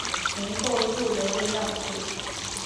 能够入流的要素。